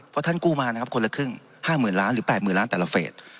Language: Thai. เพราะท่านกู้มานะครับคนละครึ่ง๕๐๐๐ล้านหรือ๘๐๐๐ล้านแต่ละเฟส